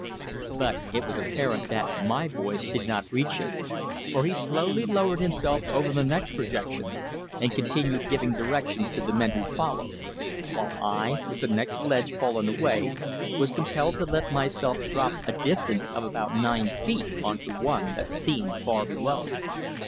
But it was apparent that my voice did not reach him, for he slowly lowered himself over the next projection, and continued giving directions to the men who followed, while I, with the next ledge fallen away, was compelled to let myself drop a distance of about nine feet on to one that seemed far below.